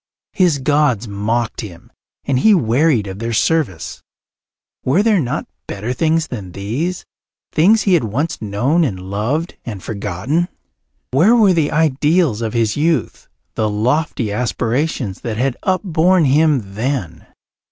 His gods mocked him and he wearied of their service. Were there not better things than these, things he had once known and loved and forgotten? Where were the ideals of his youth, the lofty aspirations that had upborne him then?